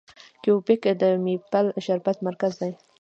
کیوبیک د میپل شربت مرکز دی.